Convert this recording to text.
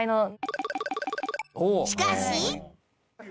しかし